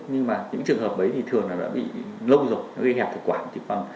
nhưng mà những trường hợp ấy thì thường là bị lâu rồi gây hẹp thực quản